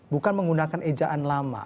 bukan menggunakan ejaan lama